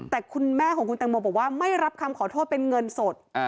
แต่คุณแม่ของคุณตังโมบอกว่าไม่รับคำขอโทษเป็นเงินสด